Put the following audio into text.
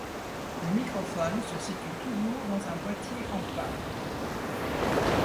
Le microphone se situe toujours dans un boitier en pin.